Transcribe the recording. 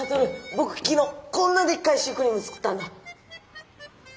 ぼくきのうこんなでっかいシュークリーム作ったんだ。